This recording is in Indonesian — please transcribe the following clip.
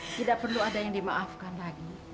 tidak perlu ada yang dimaafkan lagi